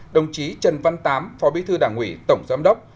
đồng chí trần văn tám phó bí thư đảng ủy tổng giám đốc